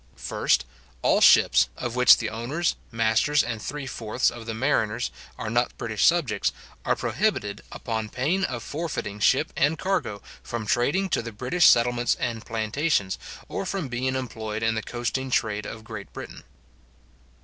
First, All ships, of which the owners, masters, and three fourths of the mariners, are not British subjects, are prohibited, upon pain of forfeiting ship and cargo, from trading to the British settlements and plantations, or from being employed in the coasting trade of Great Britain.